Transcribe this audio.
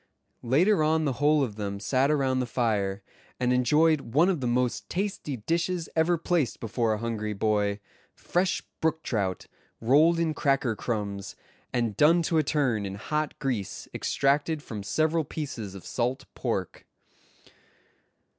Later on the whole of them sat around the fire, and enjoyed one of the most tasty dishes ever placed before a hungry boy—fresh brook trout, rolled in cracker crumbs, and done to a turn in hot grease extracted from several pieces of salt pork.